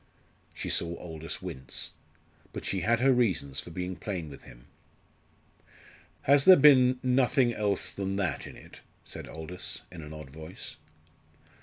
She saw Aldous wince; but she had her reasons for being plain with him. "Has there been nothing else than that in it?" said Aldous, in an odd voice.